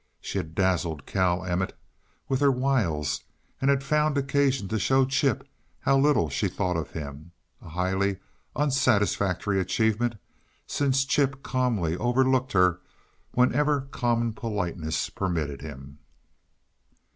She had dazzled Cal Emmett with her wiles and had found occasion to show Chip how little she thought of him; a highly unsatisfactory achievement, since Chip calmly over looked her whenever common politeness permitted him.